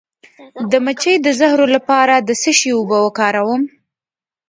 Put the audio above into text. د مچۍ د زهر لپاره د څه شي اوبه وکاروم؟